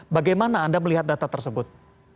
bagaimana anda melihat data tersebut